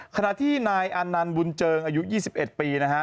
ขณะที่นายอันนันต์บุญเจิงอายุ๒๑ปีนะฮะ